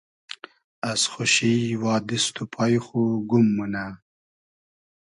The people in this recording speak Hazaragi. از خوشی وا دیست و پای خو گوم مونۂ